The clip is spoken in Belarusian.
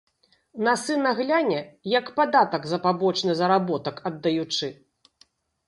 На сына гляне, як падатак за пабочны заработак аддаючы.